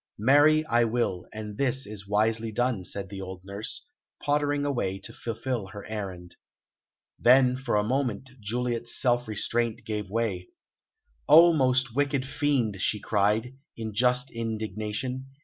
"Marry I will, and this is wisely done," said the old nurse, pottering away to fulfil her errand. Then, for a moment, Juliet's self restraint gave way. "Oh, most wicked fiend!" she cried, in just indignation.